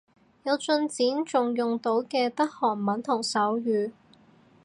有進展仲用到嘅得韓文同手語